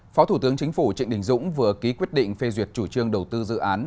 phó thủ tướng chính phủ trịnh đình dũng vừa ký quyết định phê duyệt chủ trương đầu tư dự án